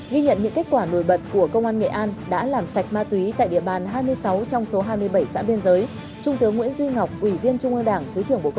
ghi nhận những kết quả nổi bật của công an nghệ an đã làm sạch ma túy tại địa bàn hai mươi sáu trong số hai mươi bảy xã biên giới trung tướng nguyễn duy ngọc ủy viên trung an đảng thứ trưởng bộ công an